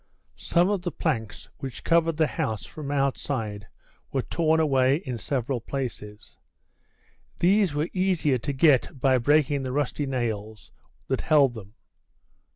Some of the planks which covered the house from outside were torn away in several places; these were easier to get by breaking the rusty nails that held them.